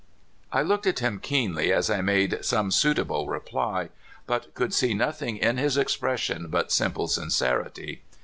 I looked at him keenly as I made some suitable reply, but could see nothing in his expression but simple sincerity.